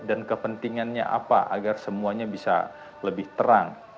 dan kepentingannya apa agar semuanya bisa lebih terang